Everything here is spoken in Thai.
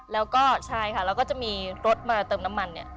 แล้วไว้ก็จะมีรถมาเติมน้ำมัน